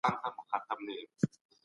د کتابونو لوستل مغز پیاوړې کوی.